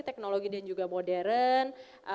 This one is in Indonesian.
teknologi dan juga modern